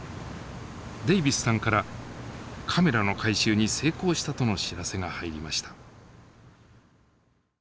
デイビスさんからカメラの回収に成功したとの知らせが入りました。